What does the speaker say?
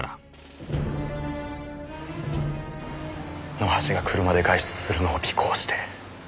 野橋が車で外出するのを尾行して。